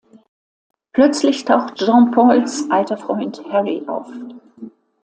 Plötzlich taucht Jean-Pauls alter Freund Harry auf.